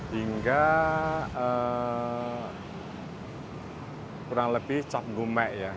hingga kurang lebih cap gumek ya